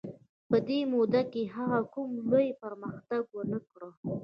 په دې موده کې هغه کوم لوی پرمختګ ونه کړ.